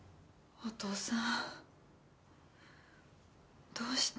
お母さん。